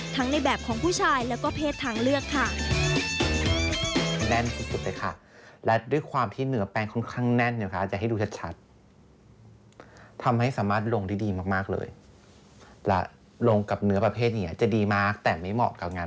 ในแบบของผู้ชายแล้วก็เพศทางเลือกค่ะ